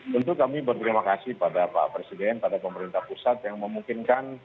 tentu kami berterima kasih pada pak presiden pada pemerintah pusat yang memungkinkan